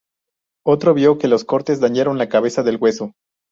Otro vio que los cortes dañaron la cabeza del hueso.